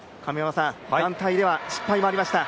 団体では失敗もありました、